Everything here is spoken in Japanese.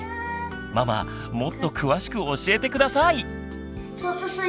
ママもっと詳しく教えて下さい！